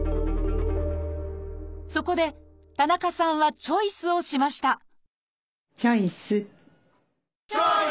そこで田中さんはチョイスをしましたチョイス！